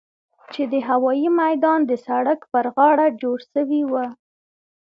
چې د هوايي ميدان د سړک پر غاړه جوړ سوي وو.